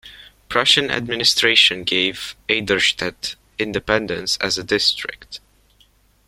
Prussian administration gave Eiderstedt independence as a district.